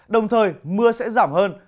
đồng thời mưa sẽ giảm hơn